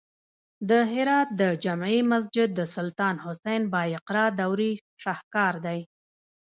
د هرات د جمعې مسجد د سلطان حسین بایقرا دورې شاهکار دی